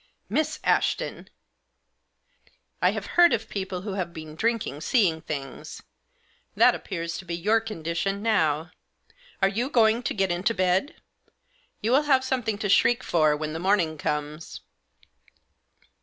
" Miss Ashton !"" I have heard of people who have been drinking seeing things — that appears to be your condition now. Are you going to get into bed ? You will have something to shriek for when the morning comes."